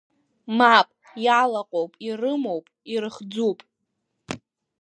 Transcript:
Мап, иалаҟоуп, ирымоуп, ирыхӡуп.